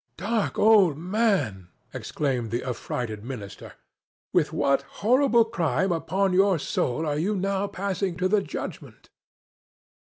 "Dark old man," exclaimed the affrighted minister, "with what horrible crime upon your soul are you now passing to the judgment?"